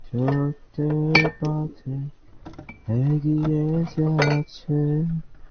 উহা সর্বপ্রকার যুক্তিরও অতীত, সুতরাং উহা বুদ্ধির রাজ্যেরও অধিকারভুক্ত নয়।